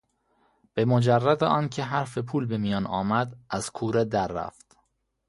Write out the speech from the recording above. به مجرد آنکه حرف پول به میان آمد از کوره در رفت.